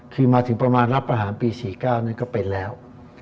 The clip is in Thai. คือมาถึงประมาณรับประหารปี๔๙นั้นก็เป็นแล้ว